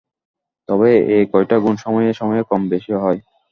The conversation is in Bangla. তবে এই কয়টা গুণ সময়ে সময়ে কম বেশী হয়।